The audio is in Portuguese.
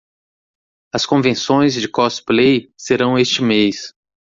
As convenções de cosplay serão este mês.